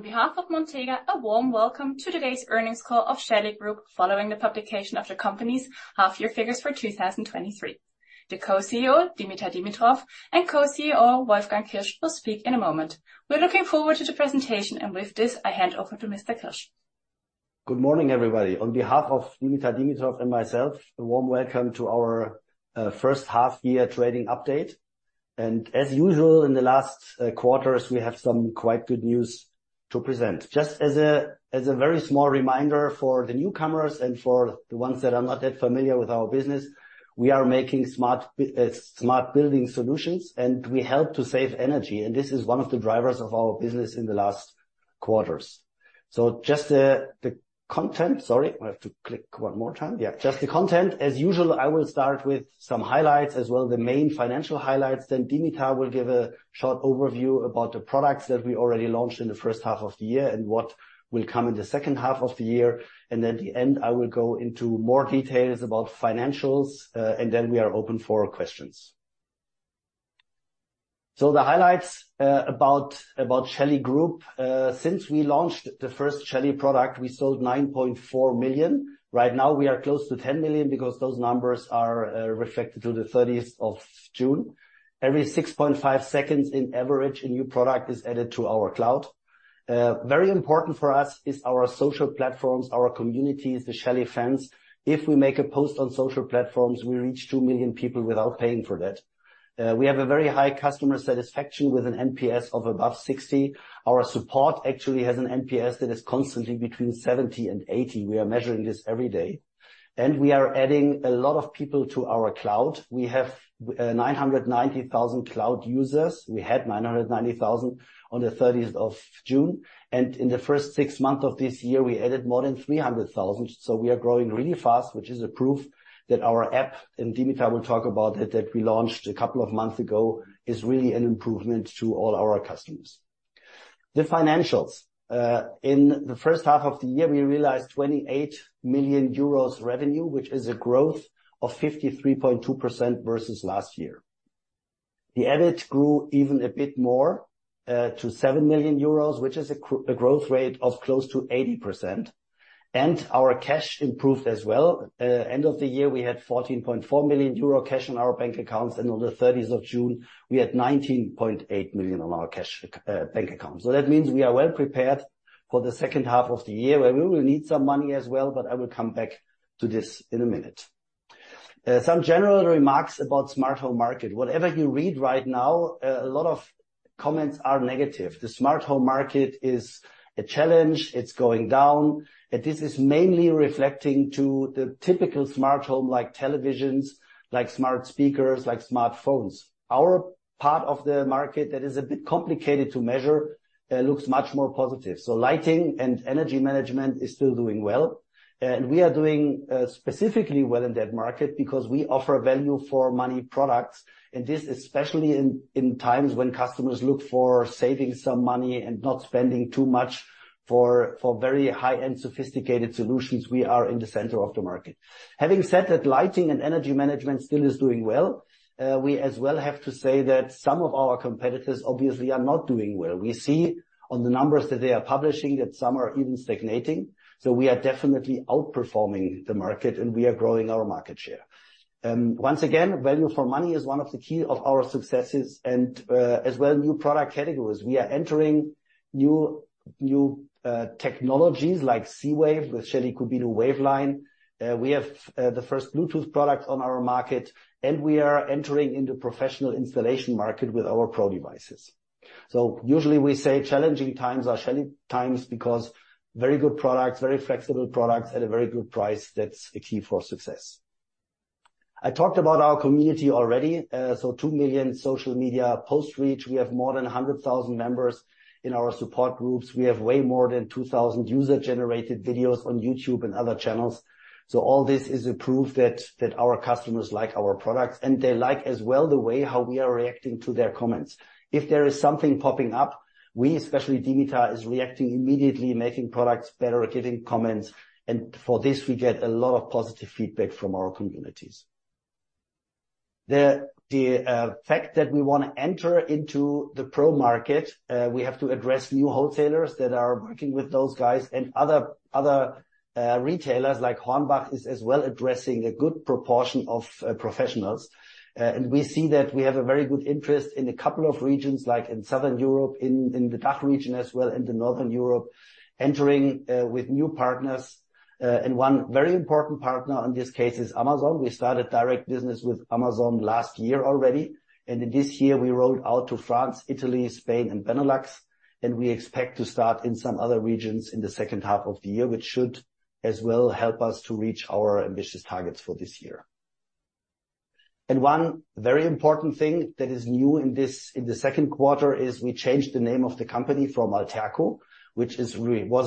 On behalf of Montega, a warm welcome to today's earnings call of Shelly Group, following the publication of the company's half-year figures for 2023. The Co-CEO, Dimitar Dimitrov, and Co-CEO, Wolfgang Kirsch, will speak in a moment. We're looking forward to the presentation, and with this, I hand over to Mr. Kirsch. Good morning, everybody. On behalf of Dimitar Dimitrov and myself, a warm welcome to our first half-year trading update. As usual, in the last quarters, we have some quite good news to present. Just as a, as a very small reminder for the newcomers and for the ones that are not that familiar with our business, we are making smart building solutions, and we help to save energy, and this is one of the drivers of our business in the last quarters. Just the content. Sorry, I have to click one more time. Yeah, just the content. As usual, I will start with some highlights, as well as the main financial highlights. Dimitar will give a short overview about the products that we already launched in the first half of the year and what will come in the second half of the year. At the end, I will go into more details about financials, and then we are open for questions. The highlights about, about Shelly Group. Since we launched the first Shelly product, we sold 9.4 million. Right now, we are close to 10 million because those numbers are reflected to the 30th of June. Every 6.5 seconds in average, a new product is added to our Cloud. Very important for us is our social platforms, our communities, the Shelly fans. If we make a post on social platforms, we reach 2 million people without paying for that. We have a very high customer satisfaction with an NPS of above 60. Our support actually has an NPS that is constantly between 70 and 80. We are measuring this every day. We are adding a lot of people to our cloud. We have 990,000 cloud users. We had 990,000 on the 30th of June. In the first six months of this year, we added more than 300,000. We are growing really fast, which is a proof that our app, and Dimitar will talk about it, that we launched a couple of months ago, is really an improvement to all our customers. The financials. In the first half of the year, we realized 28 million euros revenue, which is a growth of 53.2% versus last year. The EBIT grew even a bit more to 7 million euros, which is a growth rate of close to 80%. Our cash improved as well. End of the year, we had 14.4 million euro cash on our bank accounts. On the 30th of June, we had 19.8 million on our cash bank account. That means we are well prepared for the second half of the year, where we will need some money as well. I will come back to this in a minute. Some general remarks about smart home market. Whatever you read right now, a lot of comments are negative. The smart home market is a challenge. It's going down. This is mainly reflecting to the typical smart home, like televisions, like smart speakers, like smartphones. Our part of the market that is a bit complicated to measure, looks much more positive. Lighting and energy management is still doing well, and we are doing, specifically well in that market because we offer value for money products. This, especially in, in times when customers look for saving some money and not spending too much for, for very high-end, sophisticated solutions, we are in the center of the market. Having said that, lighting and energy management still is doing well. We as well have to say that some of our competitors obviously are not doing well. We see on the numbers that they are publishing, that some are even stagnating, so we are definitely outperforming the market, and we are growing our market share. Once again, value for money is one of the key of our successes and, as well, new product categories. We are entering new, new technologies like Z-Wave, the Shelly Qubino Wave line. We have the first Bluetooth product on our market, and we are entering into professional installation market with our Pro devices. Usually we say challenging times are Shelly times because very good products, very flexible products at a very good price. That's the key for success. I talked about our community already, so 2 million social media post reach. We have more than 100,000 members in our support groups. We have way more than 2,000 user-generated videos on YouTube and other channels. All this is a proof that our customers like our products, and they like as well, the way how we are reacting to their comments. If there is something popping up, we, especially Dimitar, is reacting immediately, making products better, getting comments, and for this, we get a lot of positive feedback from our communities. The fact that we want to enter into the Pro market, we have to address new wholesalers that are working with those guys and retailers like Hornbach is as well addressing a good proportion of professionals. We see that we have a very good interest in a couple of regions, like in Southern Europe, the DACH region as well, and Northern Europe, entering with new partners. One very important partner in this case is Amazon. We started direct business with Amazon last year already, and in this year, we rolled out to France, Italy, Spain, and Benelux, and we expect to start in some other regions in the second half of the year, which should as well help us to reach our ambitious targets for this year. One very important thing that is new in this, in the second quarter is we changed the name of the company from Allterco, which was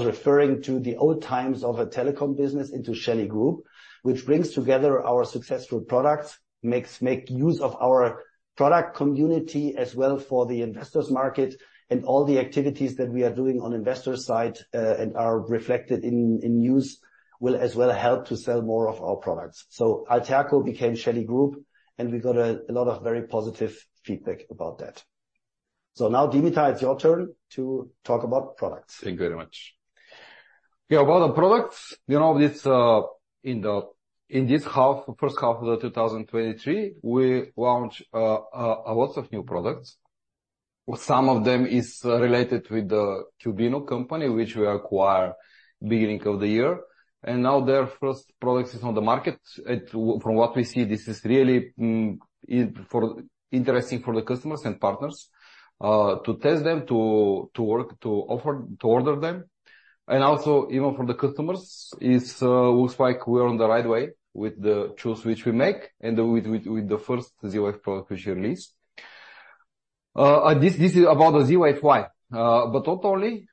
referring to the old times of a telecom business, into Shelly Group, which brings together our successful products, make use of our product community as well for the investors market and all the activities that we are doing on investor side, and are reflected in, in news, will as well help to sell more of our products. Allterco became Shelly Group, and we got a lot of very positive feedback about that. Now, Dimitar, it's your turn to talk about products. Thank you very much. Yeah, about the products, you know, this, in the, in this half, first half of 2023, we launched a lot of new products. Some of them is related with the Qubino, which we acquire beginning of the year, and now their first product is on the market. From what we see, this is really, it, for interesting for the customers and partners to test them, to work, to offer, to order them. Also, even for the customers, it's looks like we're on the right way with the choice which we make and with, with, with the first Z-Wave product which we released. This, this is about the Z-Wave. But not only,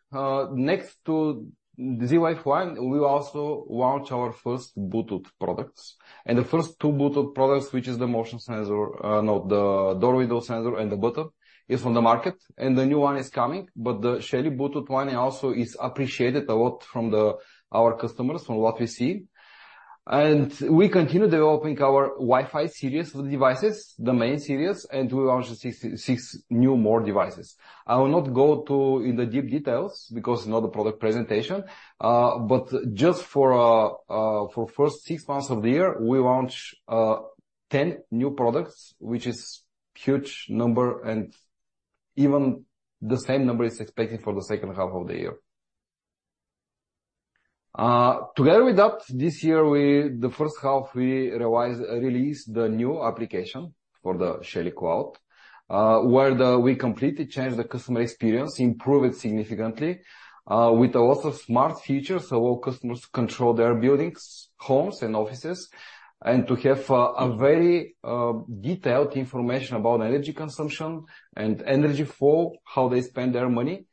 next to Z-Wave, we also launched our first Bluetooth products, and the first two Bluetooth products, which is the motion sensor, no, the door window sensor, and the button is on the market, and the new one is coming. The Shelly BLU one also is appreciated a lot from our customers, from what we see. We continue developing our Wi-Fi series of devices, the main series, and we launched six new more devices. I will not go to in the deep details because it's not a product presentation, but just for first six months of the year, we launched 10 new products, which is huge number, and even the same number is expected for the second half of the year. Together with that, this year, we... The first half, we released the new application for the Shelly Cloud, we completely changed the customer experience, improve it significantly, with a lot of smart features, so all customers control their buildings, homes, and offices, and to have a very detailed information about energy consumption and energy flow, how they spend their money,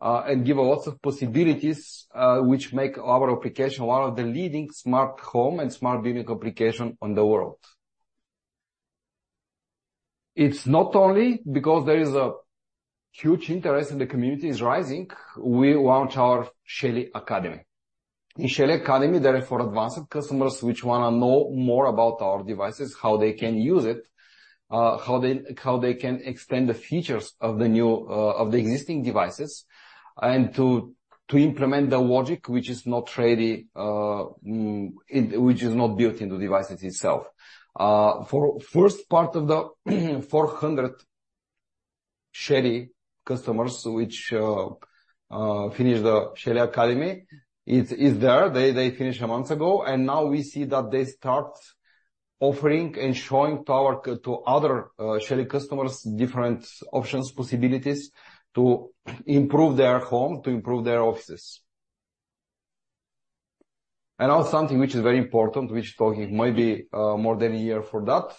and give a lot of possibilities, which make our application one of the leading smart home and smart building application on the world. It's not only because there is a huge interest in the community is rising. We launched our Shelly Academy. In Shelly Academy, they are for advanced customers, which wanna know more about our devices, how they can use it, how they can extend the features of the existing devices, and to implement the logic, which is not built in the devices itself. For first part of the 400 Shelly customers which finish the Shelly Academy is there. They finished a month ago. Now we see that they start offering and showing to our to other Shelly customers, different options, possibilities to improve their home, to improve their offices. Now something which is very important, which talking maybe, more than a year for that,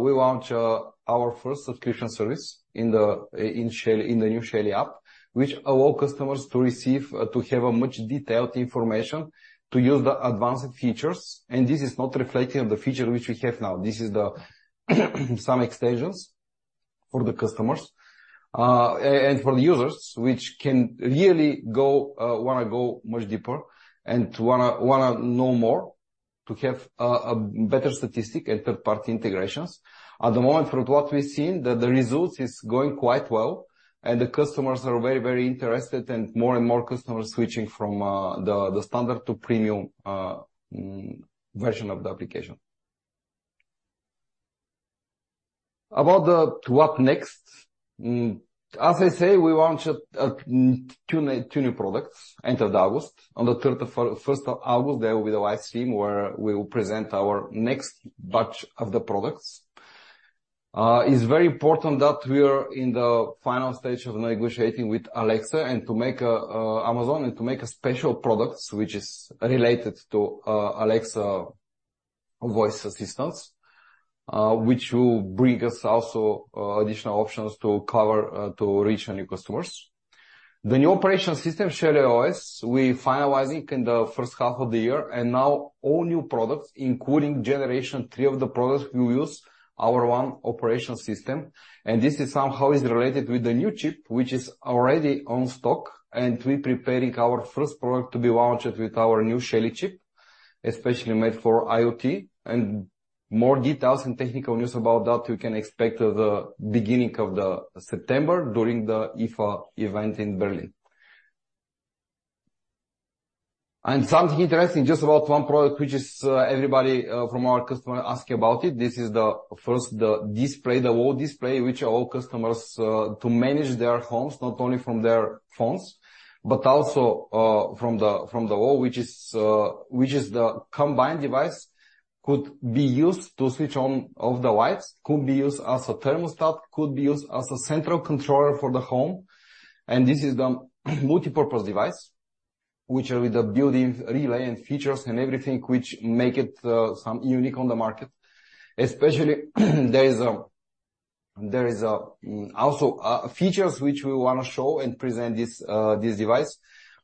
we launched our first subscription service in the, in Shelly, in the new Shelly app, which allow customers to receive, to have a much detailed information, to use the advanced features. This is not reflecting on the feature which we have now. This is the, some extensions for the customers and for the users, which can really go, wanna go much deeper and wanna, wanna know more, to have a better statistic and third-party integrations. At the moment, from what we've seen, the, the results is going quite well, and the customers are very, very interested and more and more customers switching from the standard to Premium version of the application. About the what next, as I say, we launched two new products, end of August. On the 31st of August, there will be a live stream where we will present our next batch of the products. It's very important that we are in the final stage of negotiating with Alexa and to make a Amazon, and to make a special products which is related to Alexa voice assistance, which will bring us also additional options to cover, to reach new customers. The new operation system, Shelly OS, we're finalizing in the first half of the year. Now all new products, including Shelly Gen3 of the products, we use our own operation system. This is somehow is related with the new chip, which is already on stock. We preparing our first product to be launched with our new Shelly chip, especially made for IoT. More details and technical news about that you can expect at the beginning of the September, during the IFA event in Berlin. Something interesting, just about one product, which is everybody from our customer asking about it. This is the first, the display, the wall display, which allow customers to manage their homes, not only from their phones, but also from the, from the wall, which is, which is the combined device, could be used to switch on of the lights, could be used as a thermostat, could be used as a central controller for the home. This is the multipurpose device, which are with the building relay and features and everything, which make it some unique on the market. Especially, there is a, there is a, also features which we wanna show and present this device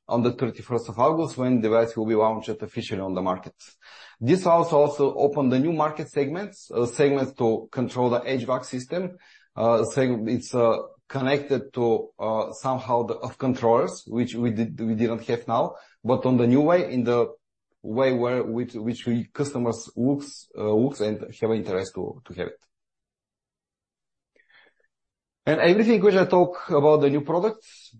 on the 31st of August, when device will be launched officially on the market. This also open the new market segments, segments to control the HVAC system. It's connected to somehow the of controllers, which we did, we didn't have now, but on the new way, way where, which, which we customers looks and have an interest to, to have it. Everything which I talk about the new products,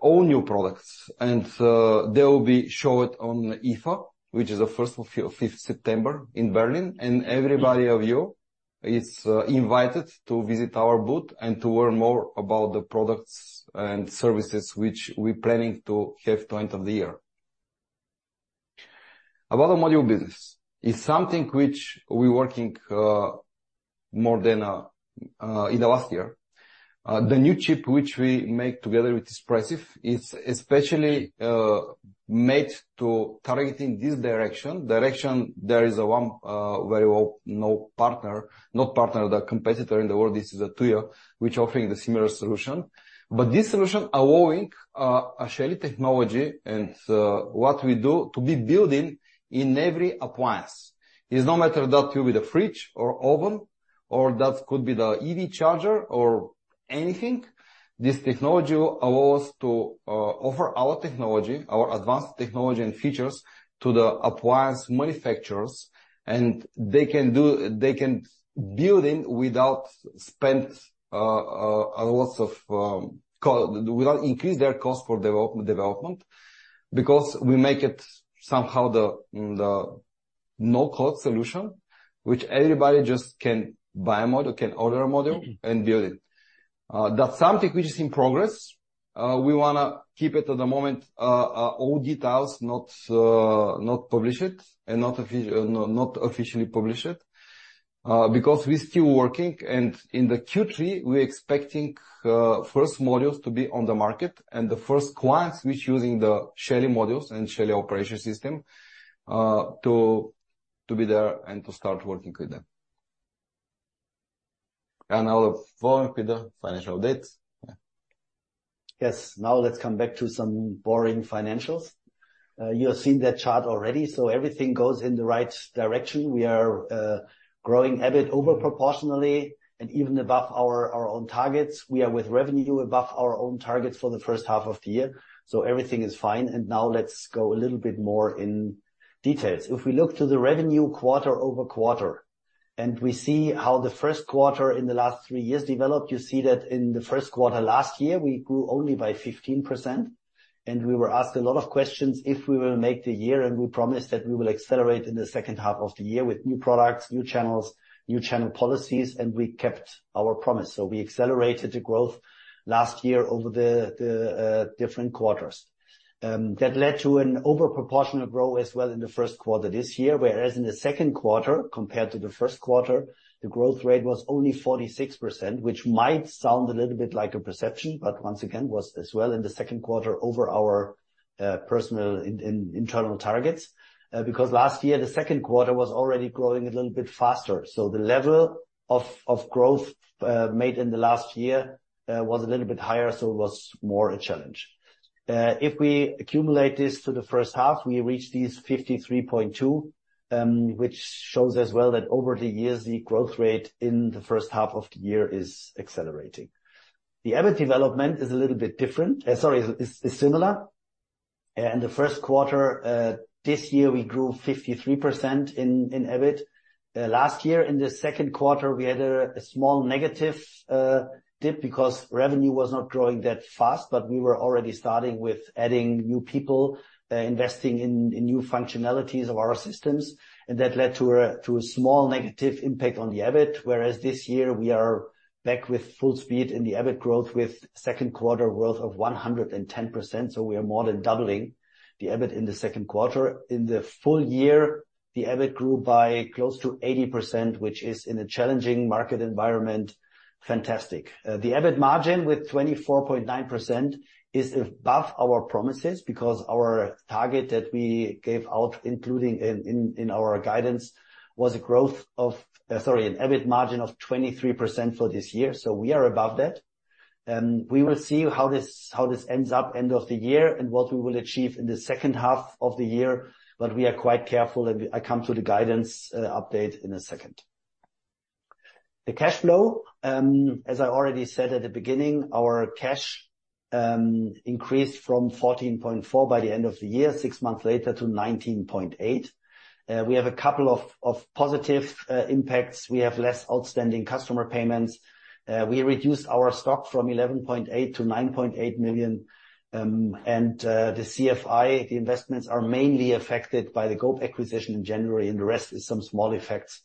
all new products, they will be showed on IFA, which is the first of fifth September in Berlin, and everybody of you is invited to visit our booth and to learn more about the products and services which we're planning to have during the year. About the module business, is something which we're working more than in the last year. The new chip, which we make together with Espressif, is especially made to targeting this direction. There is one very well-known partner, not partner, the competitor in the world. This is Tuya, which offering the similar solution. This solution allowing a Shelly technology and what we do to be building in every appliance. It's no matter that you with a fridge or oven, or that could be the EV charger or anything. This technology allows to offer our technology, our advanced technology and features to the appliance manufacturers, and they can build in without spend a lots of cost without increase their cost for develop, development. We make it somehow the no-code solution, which everybody just can buy a model, can order a model and build it. That's something which is in progress. We wanna keep it to the moment all details, not not publish it and not officially publish it because we're still working. In the Q3, we're expecting first modules to be on the market and the first clients, which using the Shelly modules and Shelly operation system, to be there and to start working with them. Now for with the financial dates. Yes. Now let's come back to some boring financials. You have seen that chart already, so everything goes in the right direction. We are growing EBIT over proportionally and even above our, our own targets. We are with revenue above our own targets for the first half of the year, so everything is fine. Now let's go a little bit more in details. If we look to the revenue quarter-over-quarter, we see how the first quarter in the last 3 years developed, you see that in the first quarter last year, we grew only by 15%. We were asked a lot of questions if we will make the year. We promised that we will accelerate in the second half of the year with new products, new channels, new channel policies, and we kept our promise. We accelerated the growth last year over the, the different quarters. That led to an overproportional growth as well in the first quarter this year, whereas in the second quarter, compared to the first quarter, the growth rate was only 46%, which might sound a little bit like a perception, but once again, was as well in the second quarter over our personal internal targets. Because last year, the second quarter was already growing a little bit faster, so the level of growth made in the last year was a little bit higher, so it was more a challenge. If we accumulate this to the first half, we reach these 53.2, which shows as well that over the years, the growth rate in the first half of the year is accelerating. The EBIT development is a little bit different, sorry, is, is similar. In the first quarter this year, we grew 53% in EBIT. Last year, in the second quarter, we had a small negative dip because revenue was not growing that fast, but we were already starting with adding new people, investing in new functionalities of our systems, that led to a small negative impact on the EBIT. Whereas this year, we are back with full speed in the EBIT growth, with second quarter growth of 110%, we are more than doubling the EBIT in the second quarter. In the full year, the EBIT grew by close to 80%, which is in a challenging market environment, fantastic. The EBIT margin with 24.9% is above our promises because our target that we gave out, including in, in, in our guidance, was a growth of, sorry, an EBIT margin of 23% for this year, so we are above that. We will see how this, how this ends up end of the year and what we will achieve in the second half of the year, but we are quite careful, and I come to the guidance update in a second. The cash flow, as I already said at the beginning, our cash increased from 14.4 by the end of the year, six months later to 19.8. We have a couple of, of positive impacts. We have less outstanding customer payments. We reduced our stock from 11.8 million to 9.8 million. The CFI, the investments are mainly affected by the GOAP acquisition in January, and the rest is some small effects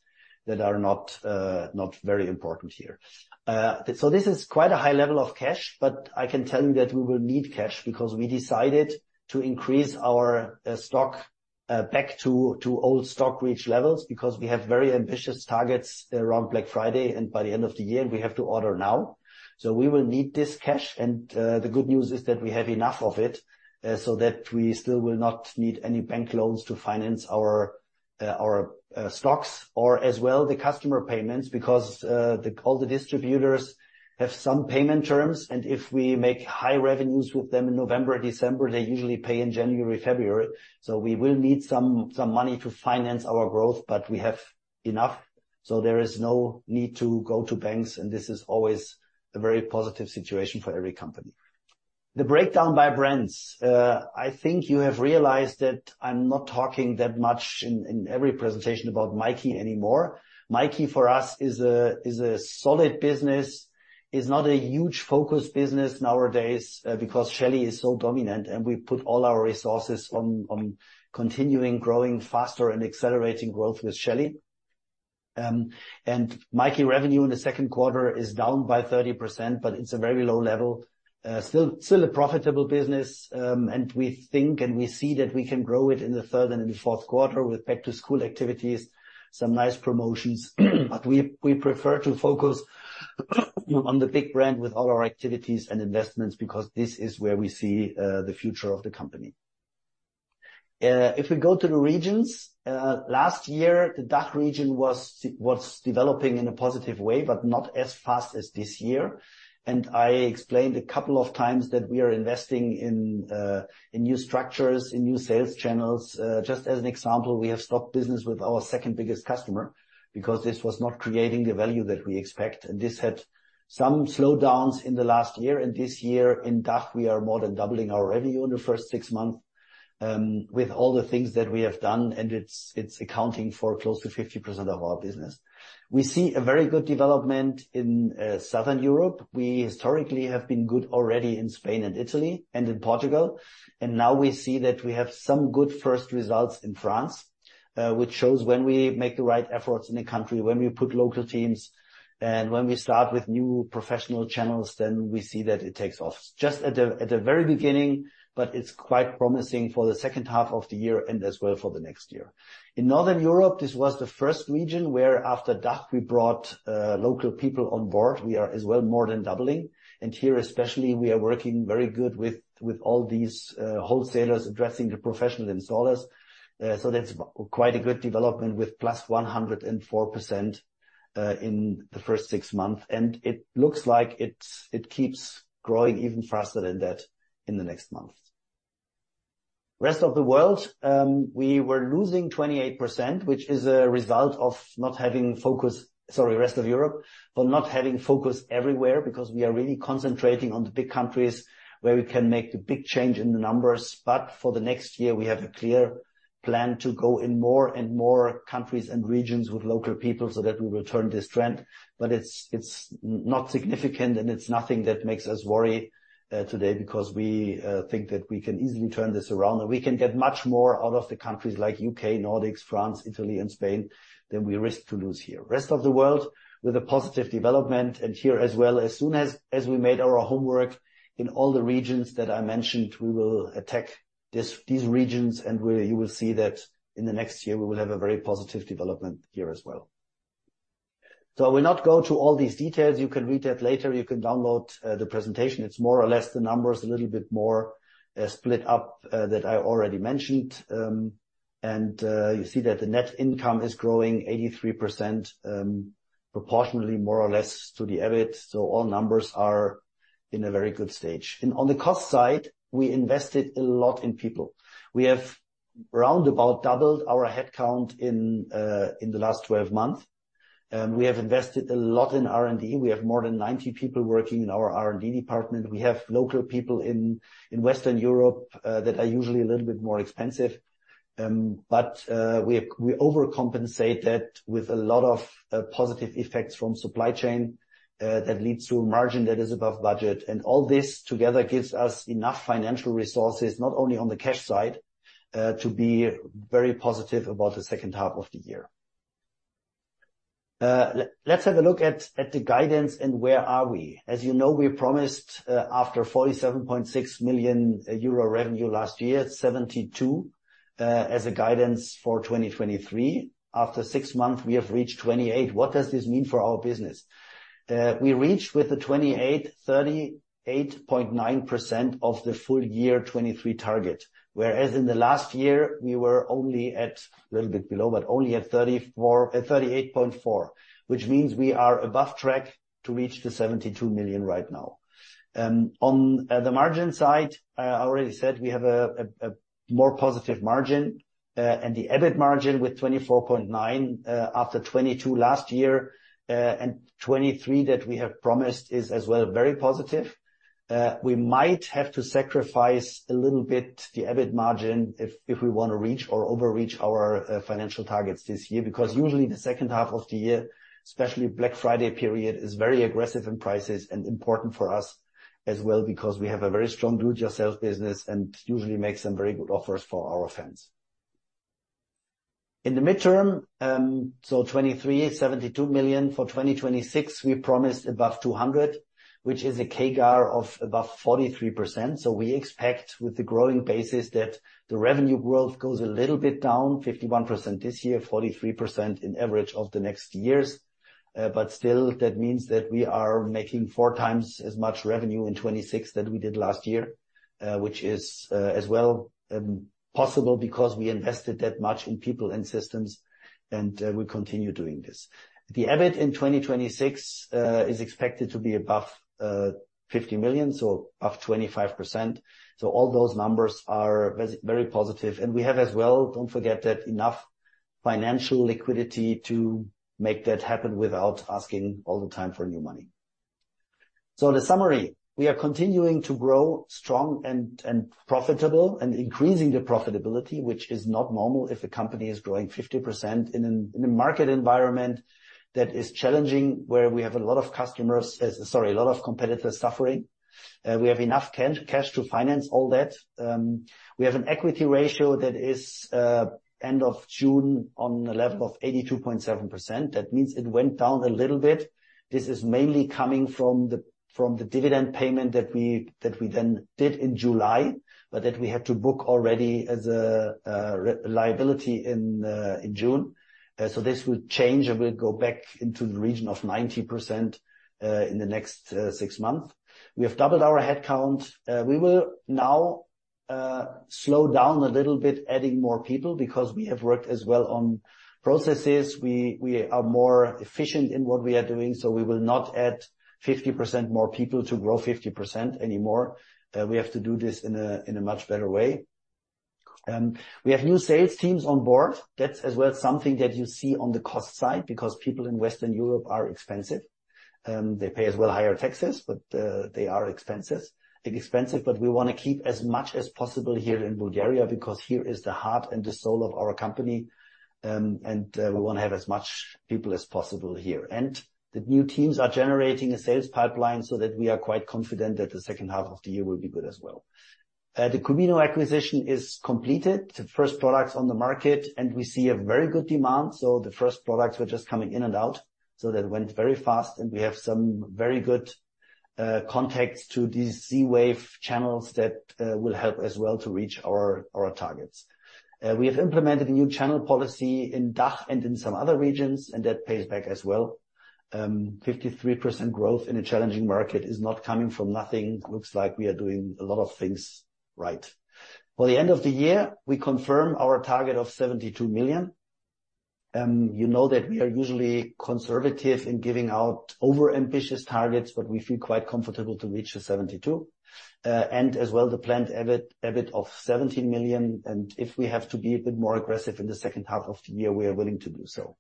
that are not very important here. This is quite a high level of cash, but I can tell you that we will need cash because we decided to increase our stock back to old stock reach levels, because we have very ambitious targets around Black Friday and by the end of the year, and we have to order now. We will need this cash, and the good news is that we have enough of it, so that we still will not need any bank loans to finance our stocks or as well, the customer payments, because all the distributors have some payment terms, and if we make high revenues with them in November and December, they usually pay in January, February. We will need some, some money to finance our growth, but we have enough, so there is no need to go to banks, and this is always a very positive situation for every company. The breakdown by brands. I think you have realized that I'm not talking that much in every presentation about MyKi anymore. MyKi for us is a solid business. It's not a huge focus business nowadays, because Shelly is so dominant, and we put all our resources on continuing growing faster and accelerating growth with Shelly. MyKi revenue in the second quarter is down by 30%, but it's a very low level. Still a profitable business, and we think, and we see that we can grow it in the third and in the fourth quarter with back-to-school activities, some nice promotions. We prefer to focus on the big brand with all our activities and investments, because this is where we see the future of the company. If we go to the regions, last year, the DACH region was developing in a positive way, but not as fast as this year. I explained a couple of times that we are investing in new structures, in new sales channels. Just as an example, we have stopped business with our second biggest customer because this was not creating the value that we expect. This had some slowdowns in the last year, and this year in DACH, we are more than doubling our revenue in the first six months with all the things that we have done, and it's accounting for close to 50% of our business. We see a very good development in Southern Europe. We historically have been good already in Spain and Italy and in Portugal, and now we see that we have some good first results in France, which shows when we make the right efforts in a country, when we put local teams and when we start with new professional channels, then we see that it takes off. Just at the, at the very beginning, but it's quite promising for the second half of the year and as well for the next year. In Northern Europe, this was the first region where after DACH, we brought local people on board. We are as well more than doubling, and here especially, we are working very good with, with all these wholesalers addressing the professional installers. So that's quite a good development with plus 104%, in the first six months, and it looks like it, it keeps growing even faster than that in the next months. Rest of the world, we were losing 28%, which is a result of not having focus-- sorry, rest of Europe, for not having focus everywhere, because we are really concentrating on the big countries where we can make the big change in the numbers. For the next year, we have a clear plan to go in more and more countries and regions with local people so that we will turn this trend. It's, it's not significant, and it's nothing that makes us worry, today, because we, think that we can easily turn this around. We can get much more out of the countries like UK, Nordics, France, Italy and Spain, than we risk to lose here. Rest of the world, with a positive development, and here as well, as soon as we made our homework in all the regions that I mentioned, we will attack these regions, you will see that in the next year we will have a very positive development here as well. I will not go through all these details. You can read that later. You can download the presentation. It's more or less the numbers, a little bit more, split up, that I already mentioned. You see that the net income is growing 83%, proportionately, more or less to the EBIT, so all numbers are in a very good stage. On the cost side, we invested a lot in people. We have round about doubled our headcount in the last 12 months. We have invested a lot in R&D. We have more than 90 people working in our R&D department. We have local people in Western Europe, that are usually a little bit more expensive. But we overcompensate that with a lot of positive effects from supply chain, that leads to a margin that is above budget. All this together gives us enough financial resources, not only on the cash side, to be very positive about the second half of the year. Let's have a look at the guidance and where are we? As you know, we promised, after 47.6 million euro revenue last year, 72 million as a guidance for 2023. After 6 months, we have reached 28 million. What does this mean for our business? We reached with the 28 million, 38.9% of the full year 2023 target, whereas in the last year we were only at, a little bit below, but only at 38.4%, which means we are above track to reach the 72 million right now. On the margin side, I, I already said we have a more positive margin, and the EBIT margin with 24.9%, after 22% last year, and 23% that we have promised is as well very positive. We might have to sacrifice a little bit the EBIT margin if, if we want to reach or overreach our financial targets this year, because usually the second half of the year, especially Black Friday period, is very aggressive in prices and important for us as well, because we have a very strong do-it-yourself business and usually make some very good offers for our fans. In the midterm, 2023, 72 million. For 2026, we promised above 200 million, which is a CAGR of above 43%. We expect with the growing basis, that the revenue growth goes a little bit down, 51% this year, 43% in average of the next years. Still, that means that we are making four times as much revenue in 2026 than we did last year, which is as well possible because we invested that much in people and systems, and we continue doing this. The EBIT in 2026 is expected to be above 50 million, so above 25%. All those numbers are very positive. We have as well, don't forget, that financial liquidity to make that happen without asking all the time for new money. In summary, we are continuing to grow strong and profitable and increasing the profitability, which is not normal if a company is growing 50% in a market environment that is challenging, where we have a lot of customers, sorry, a lot of competitors suffering. We have enough cash to finance all that. We have an equity ratio that is end of June on a level of 82.7%. That means it went down a little bit. This is mainly coming from the dividend payment that we then did in July, but that we had to book already as a liability in June. This will change, and we'll go back into the region of 90% in the next six months. We have doubled our headcount. We will now slow down a little bit, adding more people because we have worked as well on processes. We are more efficient in what we are doing, so we will not add 50% more people to grow 50% anymore. We have to do this in a, in a much better way. We have new sales teams on board. That's as well, something that you see on the cost side because people in Western Europe are expensive. They pay as well higher taxes, but they are expensive, but we wanna keep as much as possible here in Bulgaria, because here is the heart and the soul of our company. We wanna have as much people as possible here. The new teams are generating a sales pipeline so that we are quite confident that the second half of the year will be good as well. The Qubino acquisition is completed, the first products on the market, and we see a very good demand. The first products were just coming in and out, so that went very fast, and we have some very good contacts to these Z-Wave channels that will help as well to reach our targets. We have implemented a new channel policy in DACH and in some other regions, that pays back as well. 53% growth in a challenging market is not coming from nothing. Looks like we are doing a lot of things right. By the end of the year, we confirm our target of 72 million. You know that we are usually conservative in giving out overambitious targets, but we feel quite comfortable to reach the 72. As well, the planned EBIT, EBIT of 17 million, and if we have to be a bit more aggressive in the second half of the year, we are willing to do so.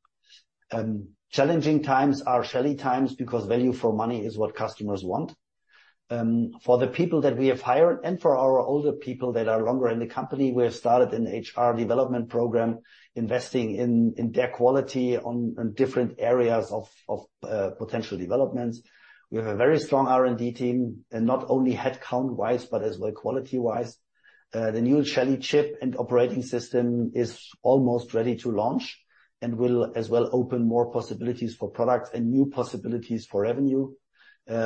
Challenging times are Shelly times because value for money is what customers want. For the people that we have hired and for our older people that are longer in the company, we have started an HR development program, investing in their quality on different areas of potential developments. We have a very strong R&D team, not only headcount-wise, but as well quality-wise. The new Shelly chip and operating system is almost ready to launch and will as well open more possibilities for products and new possibilities for revenue.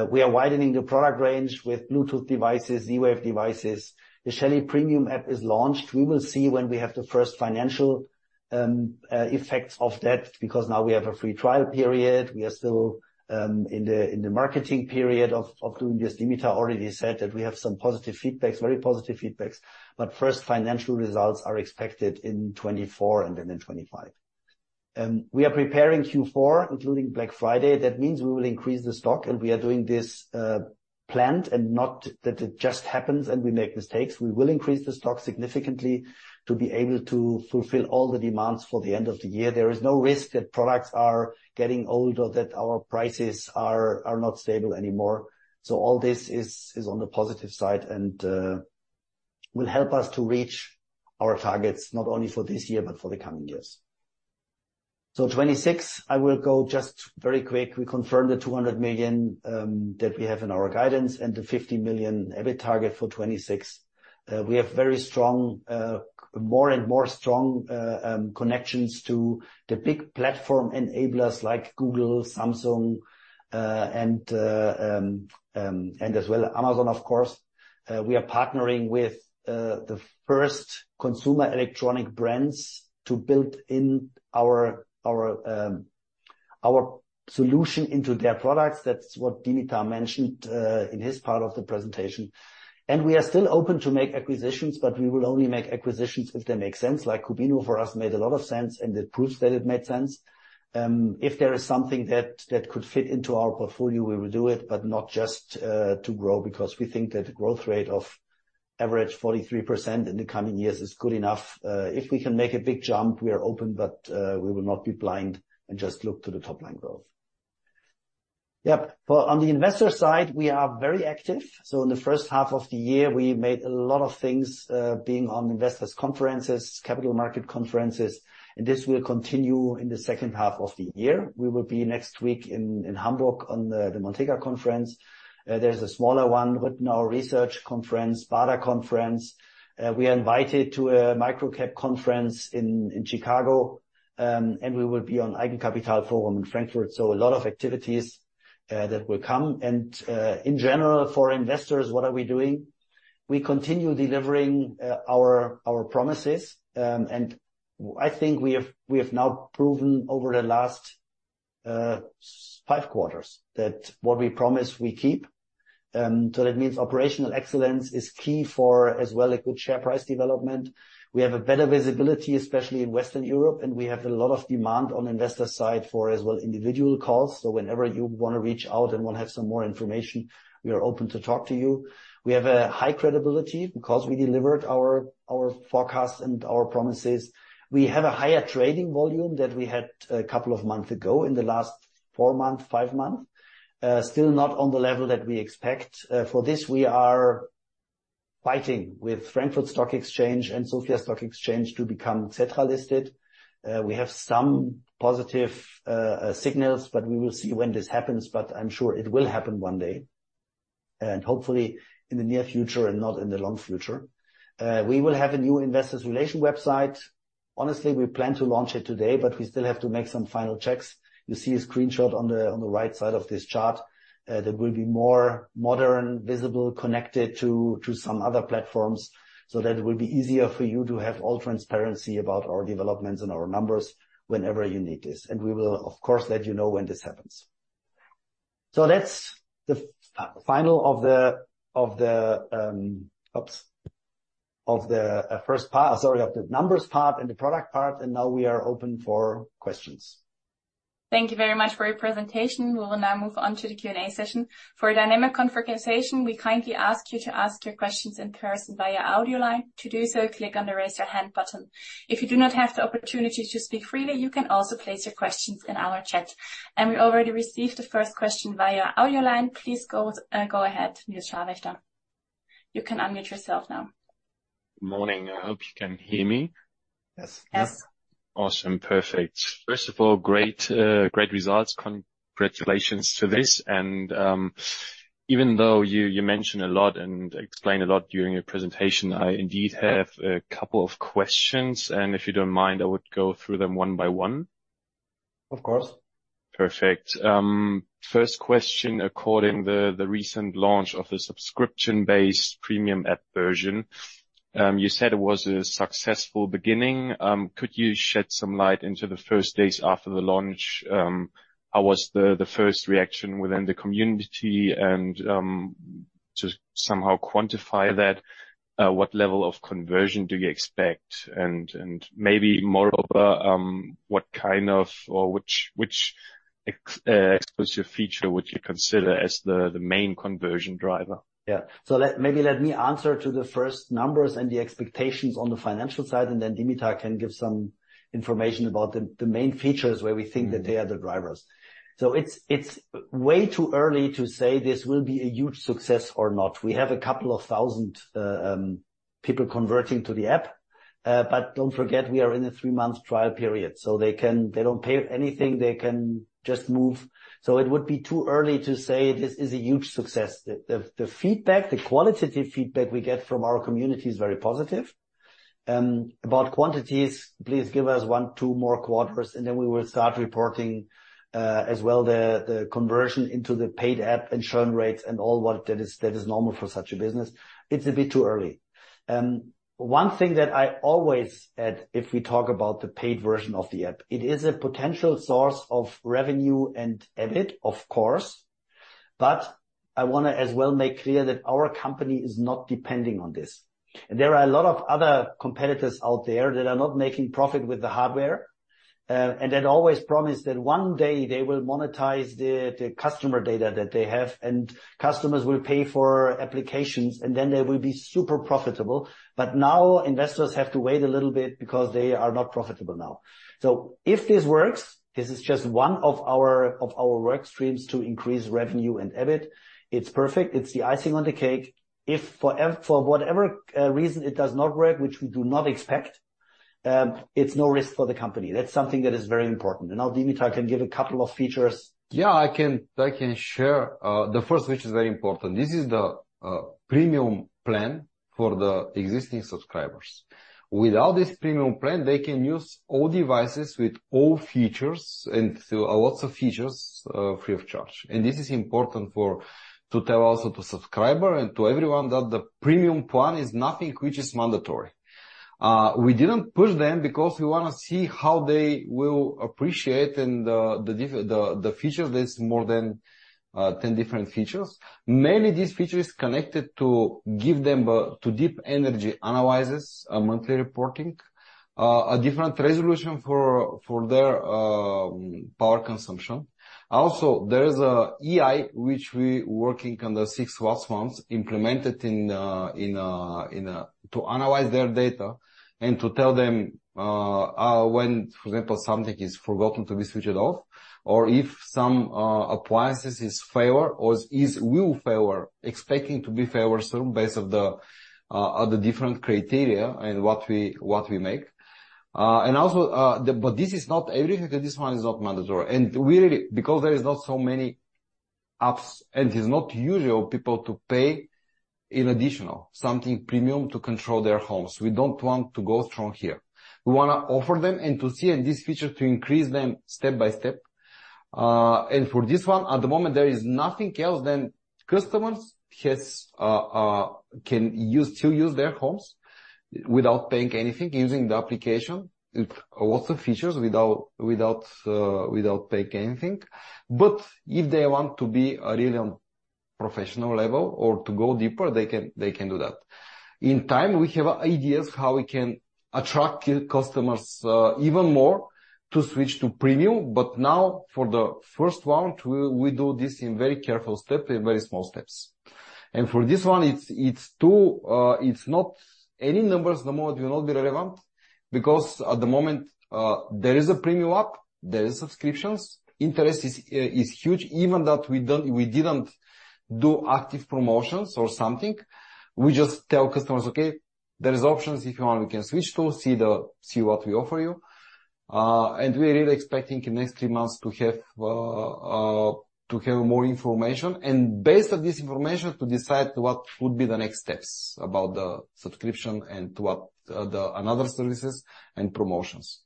We are widening the product range with Bluetooth devices, Z-Wave devices. The Shelly Premium app is launched. We will see when we have the first financial effects of that, because now we have a free trial period. We are still in the marketing period of doing this. Dimitar already said that we have some positive feedbacks, very positive feedbacks. First financial results are expected in 2024 and then in 2025. We are preparing Q4, including Black Friday. That means we will increase the stock, and we are doing this planned and not that it just happens and we make mistakes. We will increase the stock significantly to be able to fulfill all the demands for the end of the year. There is no risk that products are getting older, that our prices are not stable anymore. All this is, is on the positive side and will help us to reach our targets, not only for this year, but for the coming years. 2026, I will go just very quick. We confirm the 200 million that we have in our guidance and the 50 million EBIT target for 2026. We have very strong, more and more strong connections to the big platform enablers like Google, Samsung, and as well, Amazon, of course. We are partnering with the first consumer electronic brands to build in our, our solution into their products. That's what Dimitar mentioned in his part of the presentation. We are still open to make acquisitions, but we will only make acquisitions if they make sense, like Qubino for us, made a lot of sense, and it proves that it made sense. If there is something that, that could fit into our portfolio, we will do it, but not just to grow, because we think that the growth rate of average 43% in the coming years is good enough. If we can make a big jump, we are open, but we will not be blind and just look to the top-line growth. Yep. Well, on the investor side, we are very active. In the first half of the year, we made a lot of things, being on investors conferences, capital market conferences, and this will continue in the second half of the year. We will be next week in Hamburg on the Montega Conference. There's a smaller one, Rytnow Research Conference, BADA Conference. We are invited to a microcap conference in Chicago, we will be on Deutsches Eigenkapitalforum in Frankfurt. A lot of activities that will come. In general, for investors, what are we doing? We continue delivering our promises. I think we have now proven over the last five quarters that what we promise, we keep. That means operational excellence is key for as well, a good share price development. We have a better visibility, especially in Western Europe, and we have a lot of demand on investor side for as well, individual calls. Whenever you wanna reach out and want to have some more information, we are open to talk to you. We have a high credibility because we delivered our, our forecast and our promises. We have a higher trading volume than we had a couple of months ago in the last 4 months, 5 months. Still not on the level that we expect. For this, we are fighting with Frankfurt Stock Exchange and Bulgarian Stock Exchange to become central listed. We have some positive signals, but we will see when this happens, but I'm sure it will happen 1 day, and hopefully in the near future and not in the long future. We will have a new investors relation website. Honestly, we planned to launch it today, but we still have to make some final checks. You see a screenshot on the, on the right side of this chart, that will be more modern, visible, connected to, to some other platforms, so that it will be easier for you to have all transparency about our developments and our numbers whenever you need this. We will, of course, let you know when this happens. That's the final of the, of the Oops, of the, first part, sorry, of the numbers part and the product part, and now we are open for questions. Thank you very much for your presentation. We will now move on to the Q&A session. For a dynamic conversation, we kindly ask you to ask your questions in person via audio line. To do so, click on the Raise Your Hand button. If you do not have the opportunity to speak freely, you can also place your questions in our chat. We already received the first question via audio line. Please go, go ahead, Nils Scharwächter. You can unmute yourself now. Good morning. I hope you can hear me. Yes. Yes. Awesome. Perfect. First of all, great, great results. Congratulations to this, even though you, you mentioned a lot and explained a lot during your presentation, I indeed have a couple of questions. If you don't mind, I would go through them one by one. Of course. Perfect. First question, according the, the recent launch of the subscription-based Premium app version, you said it was a successful beginning. Could you shed some light into the first days after the launch? How was the, the first reaction within the community, and, to somehow quantify that, what level of conversion do you expect? Maybe more over, what kind of or which exclusive feature would you consider as the, the main conversion driver? Yeah. Let, maybe let me answer to the first numbers and the expectations on the financial side, then Dimitar can give some information about the main features where we think that they are the drivers. It's, it's way too early to say this will be a huge success or not. We have a couple of 1,000 people converting to the app, don't forget, we are in a 3-month trial period, they don't pay anything, they can just move. It would be too early to say this is a huge success. The feedback, the qualitative feedback we get from our community is very positive. About quantities, please give us 1, 2 more quarters, and then we will start reporting as well, the, the conversion into the paid app and churn rates and all what that is, that is normal for such a business. It's a bit too early. One thing that I always add, if we talk about the paid version of the app, it is a potential source of revenue and EBIT, of course, but I wanna as well make clear that our company is not depending on this. There are a lot of other competitors out there that are not making profit with the hardware, and that always promise that 1 day they will monetize the, the customer data that they have, and customers will pay for applications, and then they will be super profitable. Now investors have to wait a little bit because they are not profitable now. If this works, this is just one of our, of our work streams to increase revenue and EBIT. It's perfect. It's the icing on the cake. If for whatever reason it does not work, which we do not expect, it's no risk for the company. That's something that is very important. Now Dimitar can give a couple of features. Yeah, I can, I can share the 1st, which is very important. This is the premium plan for the existing subscribers. Without this premium plan, they can use all devices with all features, a lot of features free of charge. This is important for, to tell also to subscriber and to everyone that the premium plan is nothing which is mandatory. We didn't push them because we wanna see how they will appreciate the features, there's more than 10 different features. Many of these features connected to give them deep energy analysis, monthly reporting, a different resolution for their power consumption. There's a AI, which we working on the 6 last months, implemented in a, in a, in a, to analyze their data and to tell them when, for example, something is forgotten to be switched off or if some appliances is fail or will fail, expecting to be fail soon based of the different criteria and what we, what we make. This is not everything, and this one is not mandatory. We really... Because there is not so many apps, and it is not usual people to pay in additional, something premium to control their homes. We don't want to go strong here. We wanna offer them and to see in this feature to increase them step by step. For this one, at the moment, there is nothing else than customers-... kids can use, still use their homes without paying anything, using the application. It also features without, without, without paying anything. If they want to be really on professional level or to go deeper, they can, they can do that. In time, we have ideas how we can attract new customers, even more to switch to premium, but now for the first round, we, we do this in very careful step, in very small steps. For this one, it's, it's 2, it's not any numbers at the moment will not be relevant because at the moment, there is a premium app, there is subscriptions. Interest is, is huge, even that we didn't do active promotions or something. We just tell customers, "Okay, there is options. If you want, we can switch to see see what we offer you. We're really expecting in the next 3 months to have to have more information, and based on this information, to decide what would be the next steps about the subscription and to what the another services and promotions.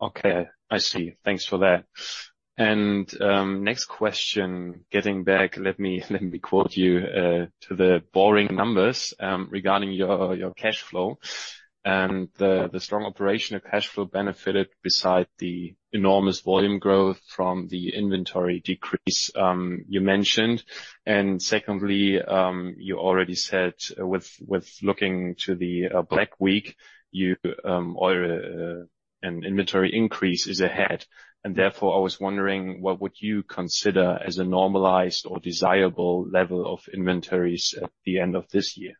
Okay, I see. Thanks for that. Next question, getting back, let me, let me quote you to the boring numbers regarding your cash flow and the strong operational cash flow benefited beside the enormous volume growth from the inventory decrease you mentioned. Secondly, you already said with, with looking to the Black Week, you or an inventory increase is ahead, and therefore, I was wondering, what would you consider as a normalized or desirable level of inventories at the end of this year?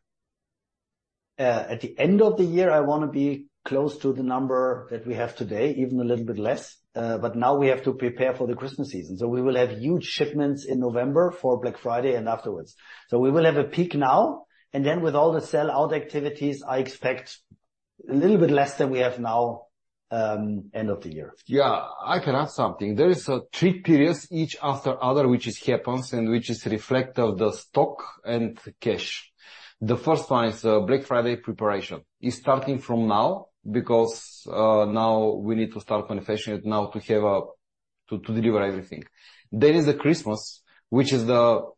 At the end of the year, I wanna be close to the number that we have today, even a little bit less. Now we have to prepare for the Christmas season. We will have huge shipments in November for Black Friday and afterwards. We will have a peak now, and then with all the sellout activities, I expect a little bit less than we have now, end of the year. Yeah. I can add something. There is three periods, each after other, which is happens and which is reflect of the stock and cash. The first one is Black Friday preparation. It's starting from now because now we need to start manufacturing it now to have to deliver everything. Is the Christmas, which is the,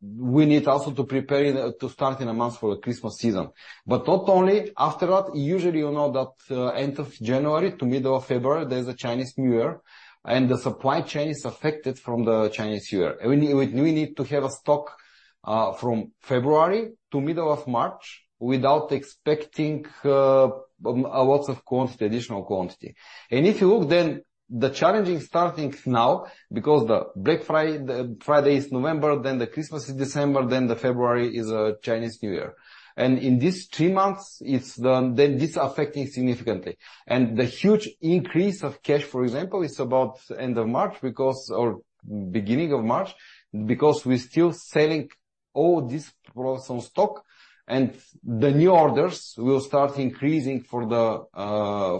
we need also to prepare in to start in a month for the Christmas season. Not only, after that, usually you know that end of January to middle of February, there's a Chinese New Year, and the supply chain is affected from the Chinese New Year. We, we need to have a stock from February to middle of March without expecting a lots of quantity, additional quantity. If you look, then the challenging starting now, because the Black Friday is November, then the Christmas is December, then the February is Chinese New Year. In these 3 months, it's then this affecting significantly. The huge increase of cash, for example, is about end of March because... or beginning of March, because we're still selling all this products on stock, the new orders will start increasing for the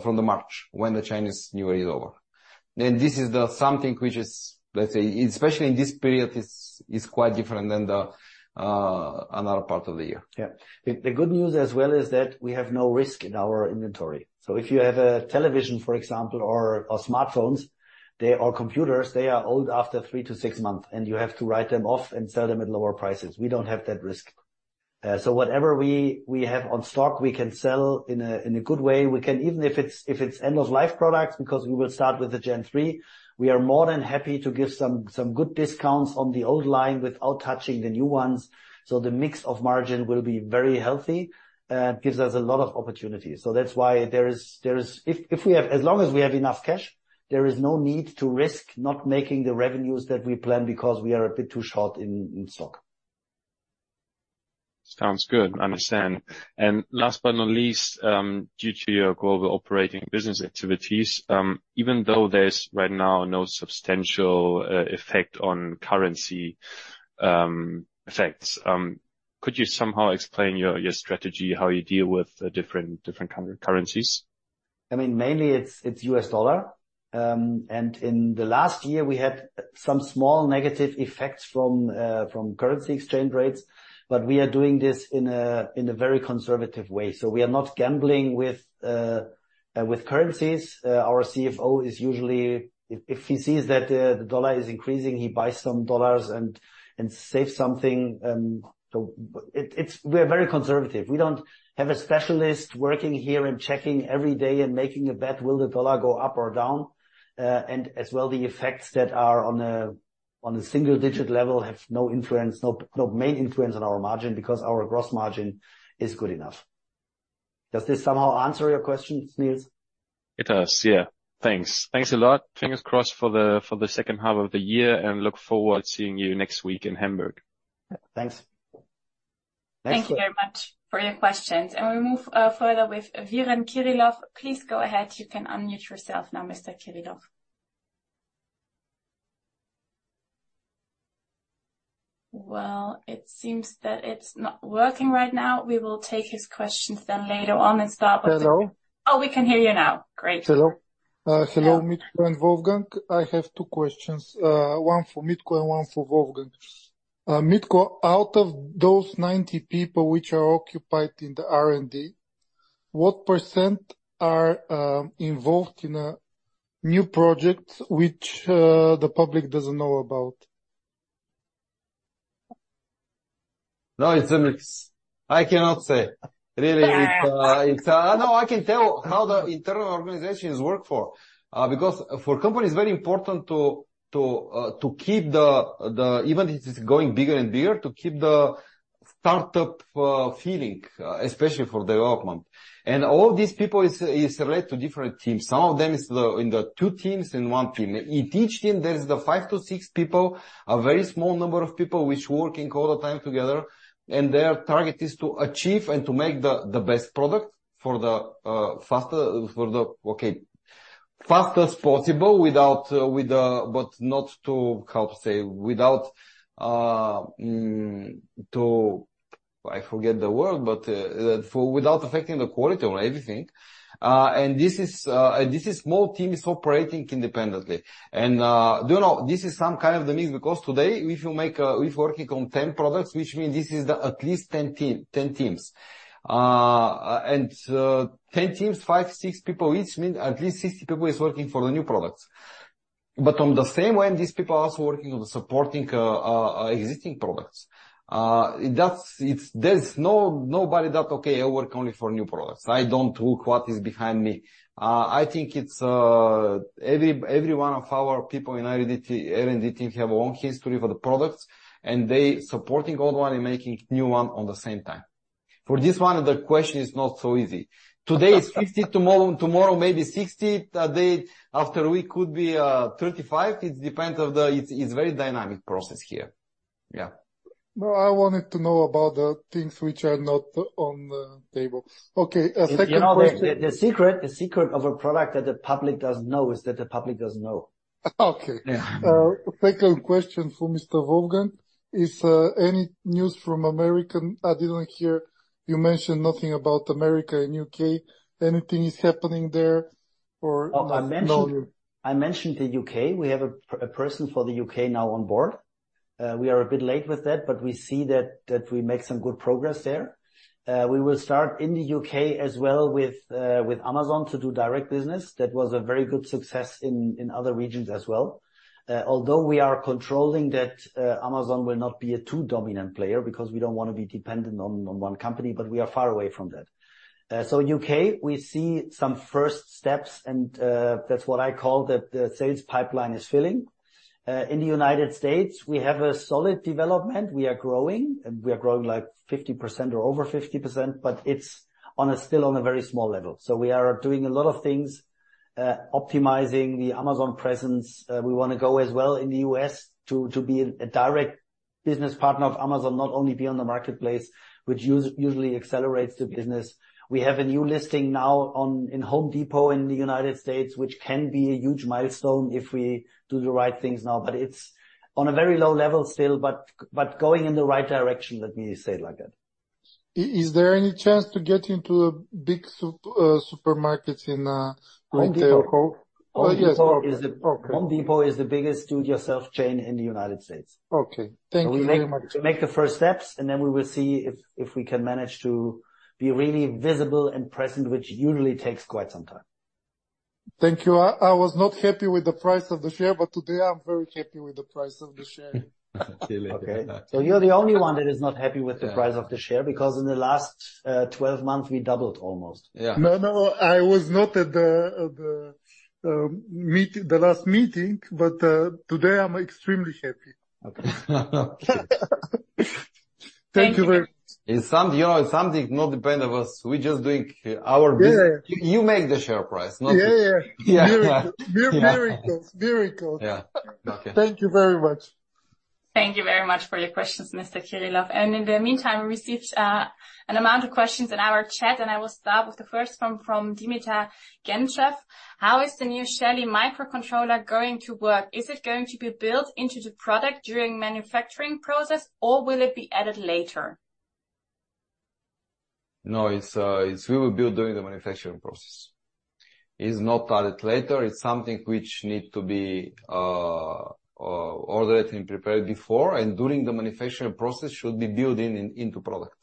from the March when the Chinese New Year is over. This is the something which is, let's say, especially in this period, is quite different than the another part of the year. Yeah. The good news as well is that we have no risk in our inventory. If you have a television, for example, or smartphones, or computers, they are old after 3-6 months, and you have to write them off and sell them at lower prices. We don't have that risk. Whatever we have on stock, we can sell in a good way. We can, even if it's end of life products, because we will start with the Gen3, we are more than happy to give some good discounts on the old line without touching the new ones. The mix of margin will be very healthy, it gives us a lot of opportunity. That's why there is, there is- if, if we have- as long as we have enough cash, there is no need to risk not making the revenues that we planned because we are a bit too short in, in stock. Sounds good. Understand. Last but not least, due to your global operating business activities, even though there's right now no substantial effect on currency effects, could you somehow explain your strategy, how you deal with different currencies? I mean, mainly it's, it's US dollar. In the last year, we had some small negative effects from currency exchange rates, but we are doing this in a very conservative way. We are not gambling with currencies. Our CFO is usually, if, if he sees that the dollar is increasing, he buys some dollars and, and save something. We're very conservative. We don't have a specialist working here and checking every day and making a bet, will the dollar go up or down? As well, the effects that are on a, on a single-digit level have no influence, no, no main influence on our margin because our gross margin is good enough. Does this somehow answer your question, Nils? It does, yeah. Thanks. Thanks a lot. Fingers crossed for the, for the second half of the year, and look forward to seeing you next week in Hamburg. Thanks. Thanks. Thank you very much for your questions. We move further with Svetlin Kirilov. Please go ahead. You can unmute yourself now, Mr. Kirilov. It seems that it's not working right now. We will take his questions then later on and start with. Hello? Oh, we can hear you now. Great. Hello. Hello, Mitko and Wolfgang. I have two questions, one for Mitko and one for Wolfgang. Mitko, out of those 90 people which are occupied in the R&D-... What % are involved in a new project which the public doesn't know about? No, it's a mix. I cannot say. Really, it's... No, I can tell how the internal organizations work for. Because for company, it's very important to, to keep the, the, even if it's going bigger and bigger, to keep the start-up feeling, especially for development. All these people is, is related to different teams. Some of them is the, in the 2 teams, in 1 team. In each team, there is the 5 to 6 people, a very small number of people which working all the time together, and their target is to achieve and to make the, the best product for the faster, for the, okay, fastest possible without, with, but not to, how to say, without, I forget the word, but for without affecting the quality on everything. This is, and this is small teams operating independently. Do you know, this is some kind of the mix, because today, if you make, if working on 10 products, which means this is the at least 10 team, 10 teams. 10 teams, 5, 6 people each, means at least 60 people is working for the new products. On the same way, these people are also working on the supporting existing products. That's, there's no, nobody that, okay, I work only for new products. I don't look what is behind me. I think it's, every, every one of our people in R&D team have their own history for the products, and they supporting old one and making new one on the same time. For this one, the question is not so easy. Today, it's 50, tomorrow, tomorrow, maybe 60. The day after week could be 35. It depends on the... It's, it's very dynamic process here. Yeah. No, I wanted to know about the things which are not on the table. Okay, a second question. You know, the, the secret, the secret of a product that the public doesn't know is that the public doesn't know. Okay. Yeah. Second question for Mr. Wolfgang Kirsch. Is any news from America? I didn't hear you mention nothing about America and U.K. Anything is happening there or not? I mentioned, I mentioned the UK. We have a person for the UK now on board. We are a bit late with that, but we see that, that we make some good progress there. We will start in the UK as well with Amazon to do direct business. That was a very good success in, in other regions as well. Although we are controlling that, Amazon will not be a too dominant player because we don't want to be dependent on, on one company, but we are far away from that. UK, we see some first steps, and that's what I call that the sales pipeline is filling. In the United States, we have a solid development. We are growing, we are growing, like, 50% or over 50%, but it's still on a very small level. We are doing a lot of things, optimizing the Amazon presence. We wanna go as well in the U.S. to, to be a, a direct business partner of Amazon, not only be on the marketplace, which usually accelerates the business. We have a new listing now in Home Depot in the United States, which can be a huge milestone if we do the right things now. It's on a very low level still, but going in the right direction, let me say it like that. Is there any chance to get into the big supermarkets in retail? Home Depot. Oh, yes. Okay. Home Depot is the biggest do-it-yourself chain in the United States. Okay. Thank you very much. We make the first steps. Then we will see if, if we can manage to be really visible and present, which usually takes quite some time. Thank you. I was not happy with the price of the share. Today I'm very happy with the price of the share. Clearly. Okay. You're the only one that is not happy with the price of the share, because in the last, 12 months, we doubled almost. Yeah. No, no, I was not at the, the last meeting, but today I'm extremely happy. Okay. Thank you very much. It's some, you know, something not depend on us. We just doing our business. Yeah. You make the share price, not- Yeah, yeah. Yeah. Miracles. Miracles. Yeah. Okay. Thank you very much. Thank you very much for your questions, Mr. Kirilov. In the meantime, we received an amount of questions in our chat, and I will start with the first one from Dimitar Genchev: How is the new Shelly microcontroller going to work? Is it going to be built into the product during manufacturing process, or will it be added later? No, it's, it's will be built during the manufacturing process. It's not added later. It's something which need to be, ordered and prepared before, and during the manufacturing process, should be built-in into product.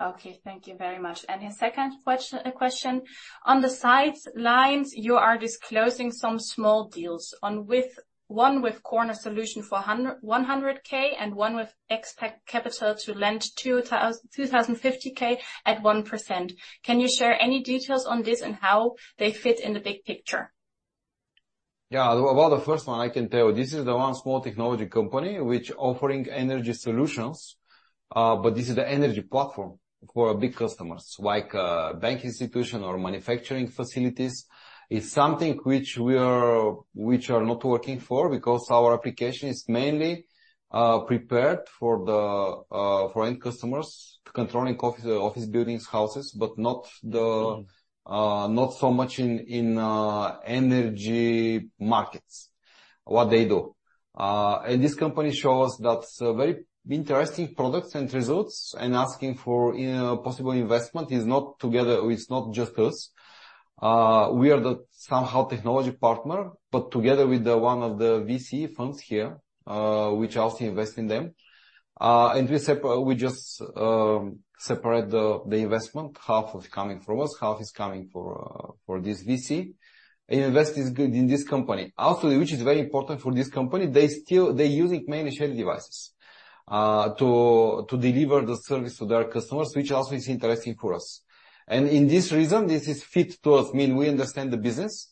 Okay, thank you very much. His second question: On the side lines, you are disclosing some small deals on one with corner solution for 100 thousand and one with Xpack Capital to lend 2,050 thousand at 1%. Can you share any details on this and how they fit in the big picture? Yeah. Well, the 1 small technology company which offering energy solutions, but this is the energy platform for big customers, like bank institution or manufacturing facilities. It's something which are not working for because our application is mainly prepared for the for end customers, controlling coffee, office buildings, houses, but not the not so much in in energy markets, what they do. This company shows that very interesting products and results and asking for, you know, possible investment. It's not together, it's not just us. We are the somehow technology partner, but together with the 1 of the VC funds here, which also invest in them. We just separate the investment. Half is coming from us, half is coming for this VC, invest is good in this company. Also, which is very important for this company, they're using mainly shared devices to deliver the service to their customers, which also is interesting for us. In this reason, this is fit to us, mean we understand the business.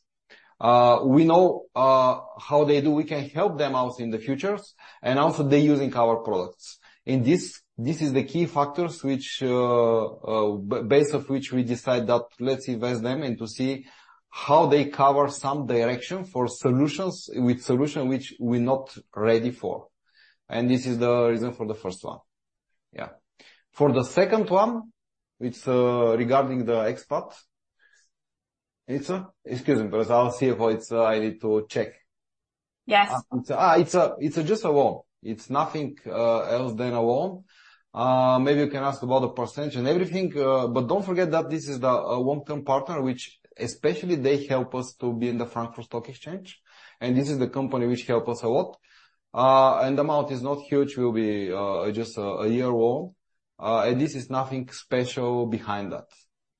We know how they do, we can help them out in the future, and also they're using our products. In this, this is the key factors which base of which we decide that let's invest them and to see how they cover some direction for solutions, with solution which we're not ready for. This is the reason for the first one. Yeah. For the second one, it's regarding the expat. Excuse me, but I'll see if it's, I need to check. Yes. It's just a loan. It's nothing else than a loan. Maybe you can ask about the percentage and everything, don't forget that this is the long-term partner, which especially they help us to be in the Frankfurt Stock Exchange, and this is the company which help us a lot. The amount is not huge. It will be just a year loan, and this is nothing special behind that.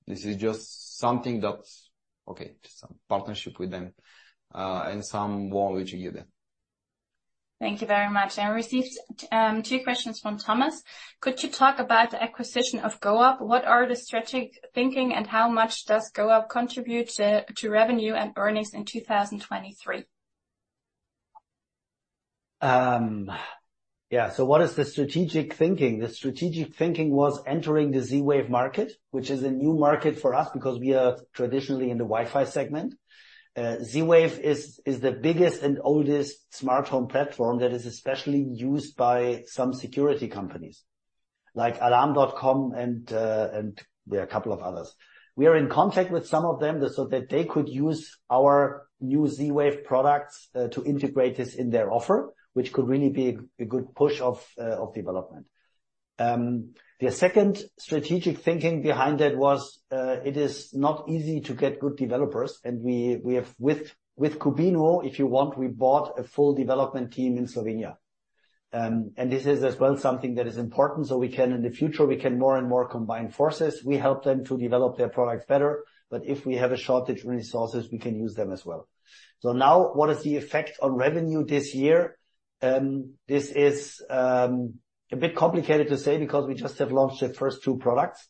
This is just something that's, okay, just a partnership with them, and some loan which you give them. Thank you very much. I received 2 questions from Thomas. Could you talk about the acquisition of Goupp? What are the strategic thinking, and how much does Goupp contribute to, to revenue and earnings in 2023? Yeah, so what is the strategic thinking? The strategic thinking was entering the Z-Wave market, which is a new market for us because we are traditionally in the Wi-Fi segment. Z-Wave is, is the biggest and oldest smartphone platform that is especially used by some security companies, like Alarm.com and, and there are a couple of others. We are in contact with some of them so that they could use our new Z-Wave products, to integrate this in their offer, which could really be a, a good push of, of development. The second strategic thinking behind that was, it is not easy to get good developers. We, we have with, with Qubino, if you want, we bought a full development team in Slovenia. This is as well, something that is important, so we can, in the future, we can more and more combine forces. We help them to develop their products better, if we have a shortage of resources, we can use them as well. Now, what is the effect on revenue this year? This is a bit complicated to say because we just have launched the first two products.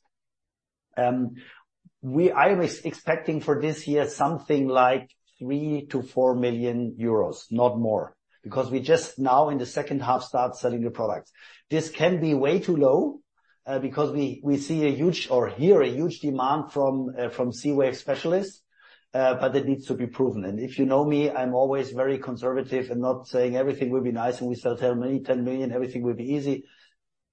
I was expecting for this year, something like 3 million-4 million euros, not more, because we just now in the second half, start selling the products. This can be way too low, because we, we see a huge or hear a huge demand from Z-Wave specialists, but it needs to be proven. If you know me, I'm always very conservative and not saying everything will be nice, and we sell 10 million, 10 million, everything will be easy.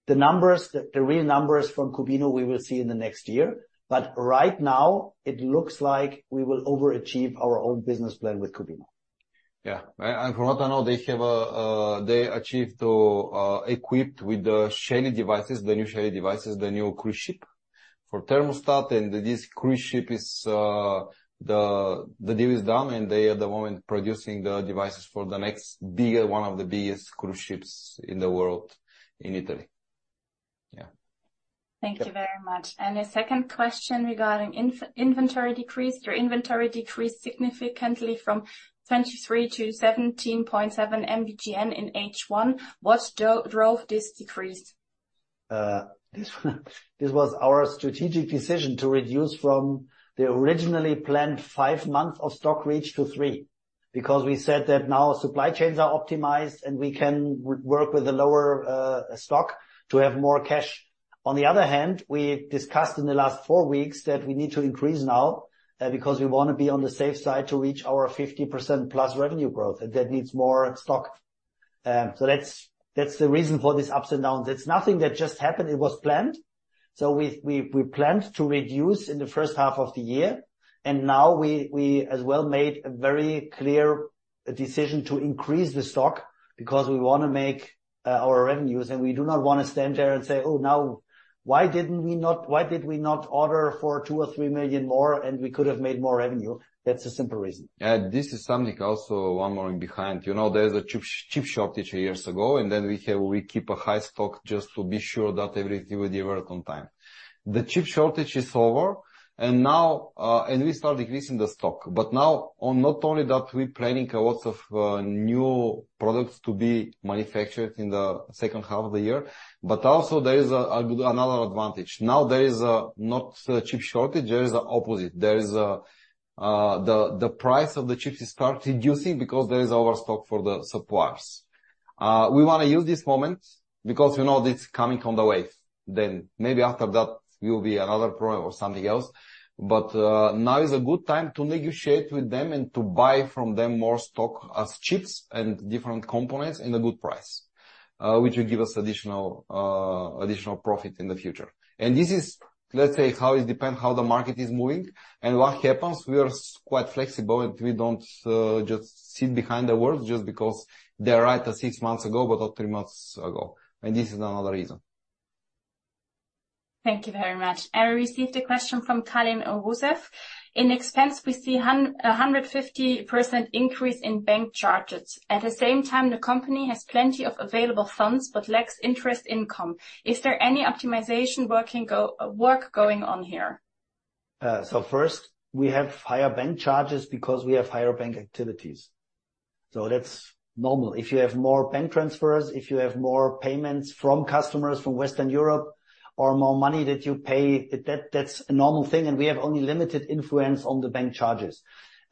The numbers, the real numbers from Qubino, we will see in the next year. Right now it looks like we will overachieve our own business plan with Qubino. Yeah. From what I know, they have a, they achieved to equipped with the Shelly devices, the new Shelly devices, the new cruise ship. For thermostat, and this cruise ship is, the, the deal is done, and they are at the moment producing the devices for the next bigger, one of the biggest cruise ships in the world, in Italy. Yeah. Thank you very much. A second question regarding inventory decrease. Your inventory decreased significantly from 23 million to 17.7 MDGN in H1. What drove this decrease? This was our strategic decision to reduce from the originally planned five months of stock reach to three, because we said that now supply chains are optimized, and we can work with a lower stock to have more cash. On the other hand, we've discussed in the last four weeks that we need to increase now, because we wanna be on the safe side to reach our 50% plus revenue growth, and that needs more stock. That's the reason for this ups and downs. It's nothing that just happened, it was planned. We, we, we planned to reduce in the first half of the year. Now we, we as well made a very clear decision to increase the stock because we wanna make our revenues. We do not wanna stand there and say, "Oh, now, why didn't we not Why did we not order for 2 million or 3 million more, and we could have made more revenue?" That's the simple reason. Yeah, this is something also one more behind. You know, there is a chip, chip shortage years ago, and then we have, we keep a high stock just to be sure that everything will deliver on time. The chip shortage is over. Now, we start decreasing the stock. Not only that, we planning a lot of new products to be manufactured in the second half of the year, but also there is another advantage. Now, there is not a chip shortage, there is the opposite. There is the, the price of the chips has started reducing because there is overstock for the suppliers. We wanna use this moment because we know this coming on the way, then maybe after that will be another problem or something else. Now is a good time to negotiate with them and to buy from them more stock as chips and different components in a good price, which will give us additional additional profit in the future. This is, let's say, how it depends, how the market is moving and what happens. We are quite flexible, and we don't just sit behind the world just because they are right at six months ago, but not three months ago. This is another reason.... Thank you very much. I received a question from Kalin Rusev. In expense, we see 150% increase in bank charges. The same time, the company has plenty of available funds, but lacks interest income. Is there any optimization work going on here? First, we have higher bank charges because we have higher bank activities. That's normal. If you have more bank transfers, if you have more payments from customers from Western Europe or more money that you pay, that's a normal thing, and we have only limited influence on the bank charges.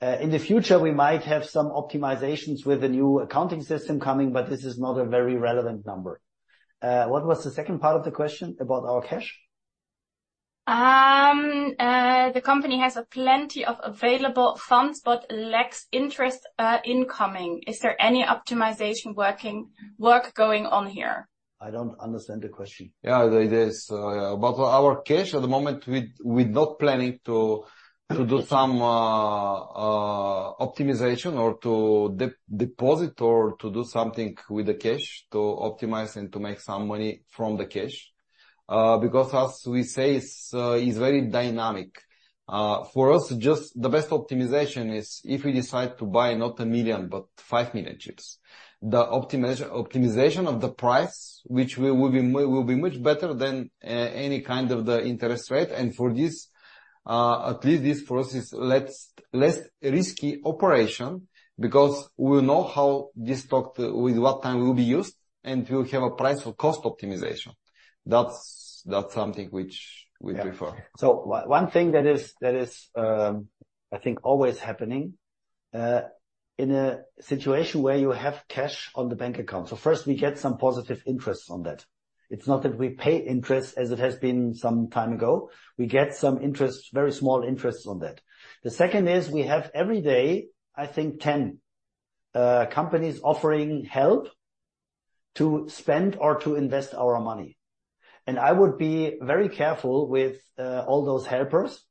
In the future, we might have some optimizations with the new accounting system coming, but this is not a very relevant number. What was the second part of the question about our cash? The company has plenty of available funds but lacks interest incoming. Is there any optimization working, work going on here? I don't understand the question. Yeah, it is. About our cash at the moment, we, we're not planning to, to do some optimization or to de-deposit or to do something with the cash to optimize and to make some money from the cash. because as we say, it's, it's very dynamic. For us, just the best optimization is if we decide to buy not 1 million, but 5 million chips. The optimization of the price, which will be much better than any kind of the interest rate. For this, at least this for us, is less, less risky operation because we know how this stock, with what time will be used and we'll have a price for cost optimization. That's, that's something which we prefer. Yeah. One thing that is, that is, I think always happening, in a situation where you have cash on the bank account. First, we get some positive interest on that. It's not that we pay interest as it has been some time ago. We get some interest, very small interest on that. The second is we have every day, I think, 10 companies offering help to spend or to invest our money. I would be very careful with, all those helpers,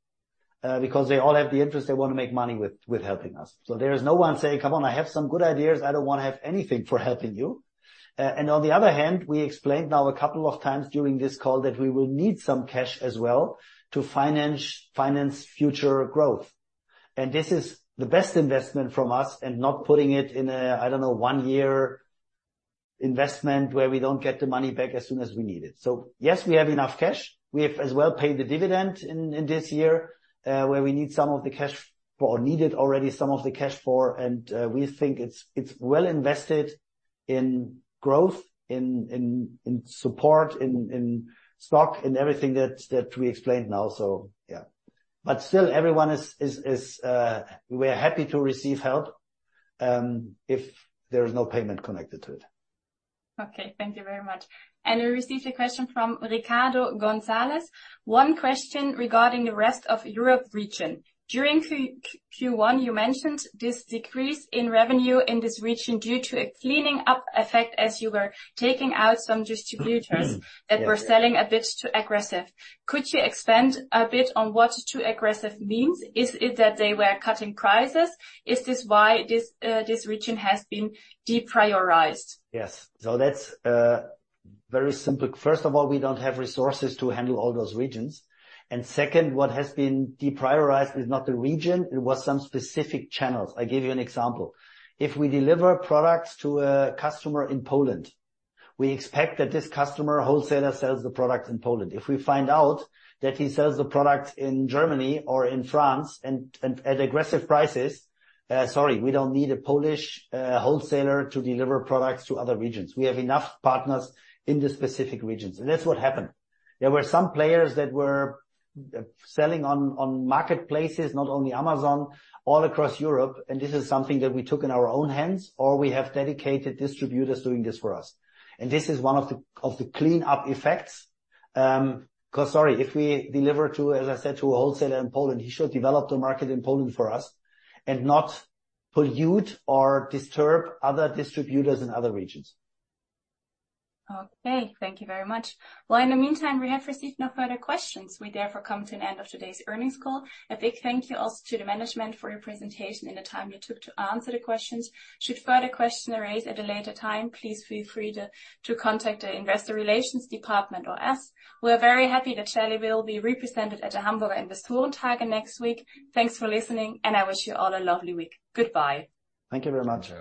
because they all have the interest, they wanna make money with, with helping us. There is no one saying, "Come on, I have some good ideas. I don't wanna have anything for helping you." We explained now a couple of times during this call that we will need some cash as well to finance, finance future growth. This is the best investment from us and not putting it in a, I don't know, 1-year investment where we don't get the money back as soon as we need it. Yes, we have enough cash. We have as well paid the dividend in, in this year, where we need some of the cash or needed already some of the cash for, we think it's, it's well invested in growth, in, in, in support, in, in stock, in everything that, that we explained now. Everyone is, is, is, we're happy to receive help if there is no payment connected to it. Okay, thank you very much. I received a question from Ricardo Gonzalez. One question regarding the rest of Europe region. During Q1, you mentioned this decrease in revenue in this region due to a cleaning up effect as you were taking out some distributors... Mm-hmm. Yeah. that were selling a bit too aggressive. Could you expand a bit on what too aggressive means? Is it that they were cutting prices? Is this why this region has been deprioritized? Yes. That's very simple. First of all, we don't have resources to handle all those regions. Second, what has been deprioritized is not the region, it was some specific channels. I'll give you an example. If we deliver products to a customer in Poland, we expect that this customer wholesaler sells the product in Poland. If we find out that he sells the product in Germany or in France, and at aggressive prices, sorry, we don't need a Polish wholesaler to deliver products to other regions. We have enough partners in the specific regions, and that's what happened. There were some players that were selling on, on marketplaces, not only Amazon, all across Europe, and this is something that we took in our own hands, or we have dedicated distributors doing this for us. This is one of the cleanup effects. 'Cause sorry, if we deliver to, as I said, to a wholesaler in Poland, he should develop the market in Poland for us and not pollute or disturb other distributors in other regions. Okay, thank you very much. Well, in the meantime, we have received no further questions. We therefore come to an end of today's earnings call. A big thank you also to the management for your presentation and the time you took to answer the questions. Should further questions arise at a later time, please feel free to contact the investor relations department or us. We're very happy that Shelly will be represented at the Hamburger Investorentage next week. Thanks for listening. I wish you all a lovely week. Goodbye. Thank you very much.